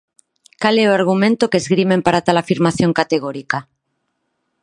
Cal é o argumento que esgrimen para tal afirmación categórica?